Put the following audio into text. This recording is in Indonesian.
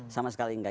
sama sekali enggak